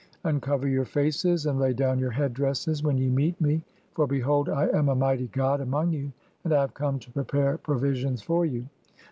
Uncover your faces and lay down your head dresses when ye meet me, (4) for, behold, I am a mighty god "among you, and I have come to prepare provisions for you.